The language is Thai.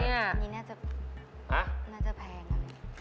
อันนี้น่าจะแพงอะ